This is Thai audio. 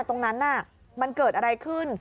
ตรงนั้นมันเกิดอะไรขึ้น